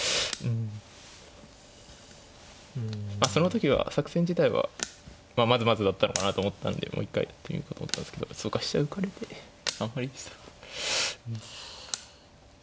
その時は作戦自体はまずまずだったのかなと思ったんでもう一回やってみようかと思ったんですけどそうか飛車浮かれてあんまりでしたか。